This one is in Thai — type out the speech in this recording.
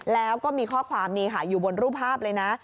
แล้วก็มีข้อความนี้ค่ะอยู่บนรูปภาพเลยนะ